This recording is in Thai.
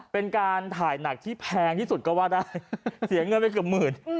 เป็นการถ่ายหนักที่แพงที่สุดก็ว่าได้เสียเงินไปเกือบหมื่น